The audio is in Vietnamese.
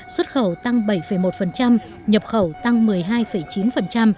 xuất khẩu tăng bảy một nhập khẩu tăng một mươi hai chín